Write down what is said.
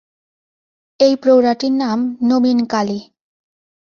এই প্রৌঢ়াটির নাম নবীনকালী।